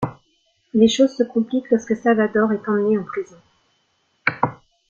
Les choses se compliquent lorsque Salvador est emmené en prison.